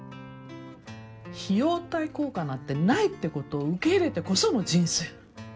費用対効果なんてないってことを受け入れてこその人生。